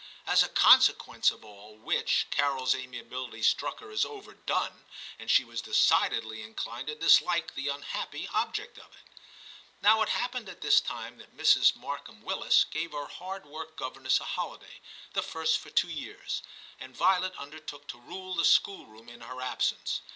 As a consequence of all which, Carols amiability struck her as overdone, and she was decidedly inclined to dislike the unhappy object of it. Now it happened at this time that Mrs. Markham Willis gave her hard worked governess a holiday, the first for two years, and Violet undertook to rule the schoolroom in her absence.